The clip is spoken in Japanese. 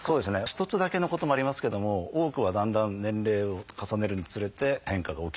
一つだけのこともありますけども多くはだんだん年齢を重ねるにつれて変化が起きて。